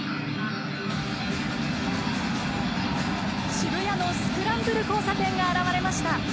渋谷のスクランブル交差点が現れました。